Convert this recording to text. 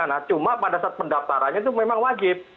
nah cuma pada saat pendaftarannya itu memang wajib